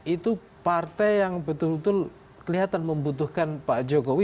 itu partai yang betul betul kelihatan membutuhkan pak jokowi